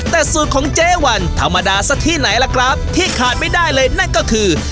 แต่สูตรของเจ๊วันธรรมดาซะที่ไหนล่ะครับที่ขาดไม่ได้เลยนั่นก็คือ